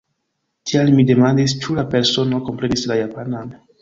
Tial mi demandis, ĉu la persono komprenis la japanan.